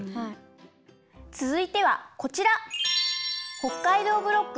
つづいてはこちら。